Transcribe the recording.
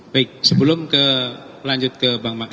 baik sebelum ke lanjut ke